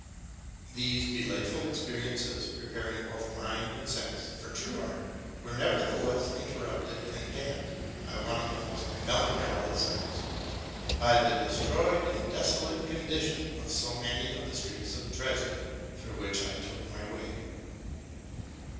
These delightful experiences, preparing both mind and sense for true art, were nevertheless interrupted and damped by one of the most melancholy sights, — by the destroyed and deso late condition of so many of the streets of Dresden through which I took my way.